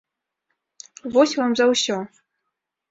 Вось вам за ўсё.